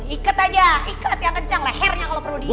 ikat aja ikat yang kencang lehernya kalau perlu diingat